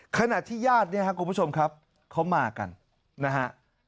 ขณะที่ญาติเนี่ยครับคุณผู้ชมครับเขามากันนะฮะ